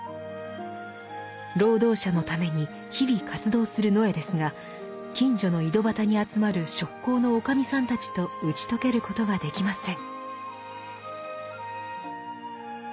労働者のために日々活動する野枝ですが近所の井戸端に集まる職工のおかみさんたちと打ち解けることができません。